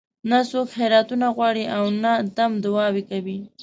نه څوک خیراتونه غواړي او نه دم دعاوې کوي.